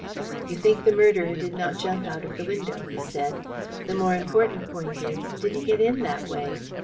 "You think the murderer did not jump out of the window," he said. "The more important point is, did he get in that way?